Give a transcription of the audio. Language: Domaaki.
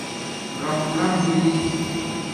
رِم رِم ہوئ